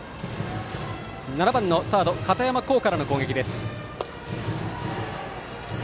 ７番のサード片山孝からの攻撃です。